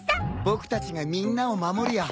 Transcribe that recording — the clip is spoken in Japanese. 僕たちがみんなを守るよ。